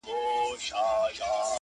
غم دې رامالوم دی هادي هسې راته څه خاندې